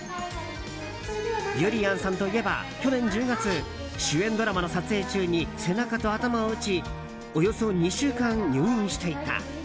ゆりやんさんといえば去年１０月主演ドラマの撮影中に背中と頭を打ちおよそ２週間入院していた。